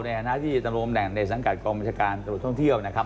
ในฐานะที่ตำรวมแห่งในสังกัดกองบริษัทการตลอดท่องเที่ยวนะครับ